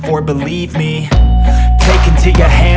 nindy belum meninggal